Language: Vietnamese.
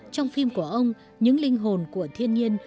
trong phim của ông những linh hồn của thiên nhiên